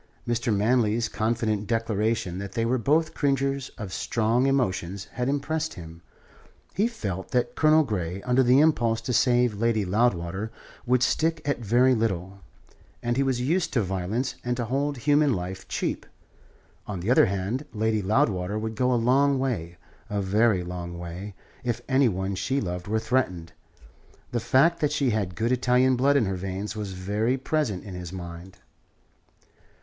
Mr. Manley's confident declaration that they were both creatures of strong emotions had impressed him. He felt that Colonel Grey, under the impulse to save Lady Loudwater, would stick at very little; and he was used to violence and to hold human life cheap. On the other hand, Lady Loudwater would go a long way a very long way if any one she loved were threatened. The fact that she had good Italian blood in her veins was very present in his mind.